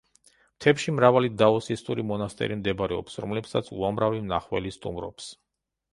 მთებში მრავალი დაოსისტური მონასტერი მდებარეობს, რომლებსაც უამრავი მნახველი სტუმრობს.